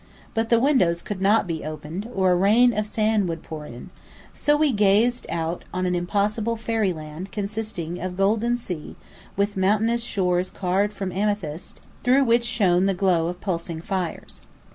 But the windows could not be opened, or a rain of sand would pour in; so we gazed out on an impossible fairy land consisting of golden sea, with mountainous shores carved from amethyst, through which shone the glow of pulsing fires.